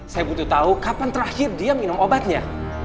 saya butuh tahu kapan terakhir dia minum obatnya